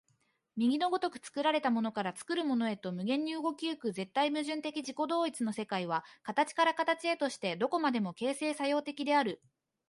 右の如く作られたものから作るものへと無限に動き行く絶対矛盾的自己同一の世界は、形から形へとして何処までも形成作用的である。